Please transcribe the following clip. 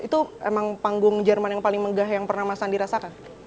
itu emang panggung jerman yang paling megah yang pernah mas sandi rasakan